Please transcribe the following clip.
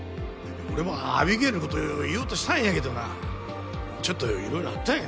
俺もアビゲイルの事言おうとしたんやけどなちょっといろいろあったんや。